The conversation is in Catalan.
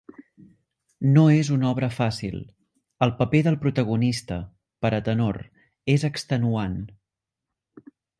No és una obra fàcil: el paper del protagonista, per a tenor, és extenuant.